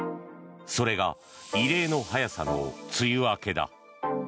それが異例の早さの梅雨明けだ。